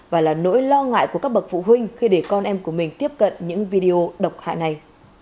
và là nỗi lo ngại của các bậc phụ huynh khi để con em của mình tiếp cận những video độc hại này